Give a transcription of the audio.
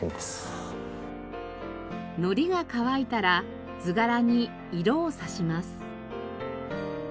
のりが乾いたら図柄に色をさします。